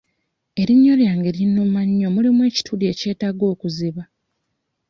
Erinnyo lyange linnuma nnyo mulimu ekituli ekyetaaga okuziba.